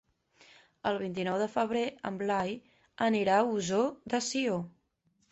El vint-i-nou de febrer en Blai anirà a Ossó de Sió.